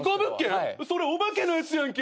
それお化けのやつやんけ。